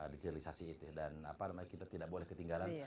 dan kita tidak boleh ketinggalan